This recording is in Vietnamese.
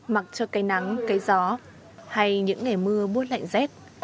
mặc cho cây nắng cây gió hay những ngày mưa bút lạnh rét